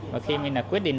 và khi mình đã quyết định